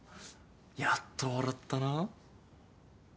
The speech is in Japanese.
やっと笑ったな。